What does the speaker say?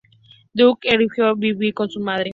Dudley eligió vivir con su madre.